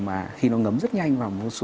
mà khi nó ngấm rất nhanh